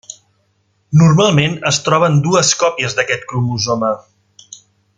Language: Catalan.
Normalment es troben dues còpies d'aquest cromosoma.